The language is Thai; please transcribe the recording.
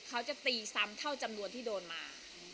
เขาจะตีซ้ำเท่าจำนวนที่โดนมา